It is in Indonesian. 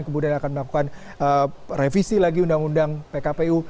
kemudian akan melakukan revisi lagi undang undang pkpu